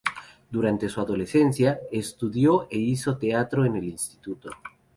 Durante su adolescencia, estudió e hizo teatro en el instituto.